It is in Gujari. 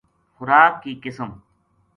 خوراک کی قسم